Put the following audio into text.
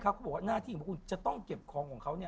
ก็เอาใส่ถุงมือแล้วก็ค่อยเก็บ